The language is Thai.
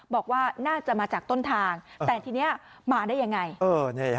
บอกว่าน่าจะมาจากต้นทางแต่ทีนี้มาได้ยังไง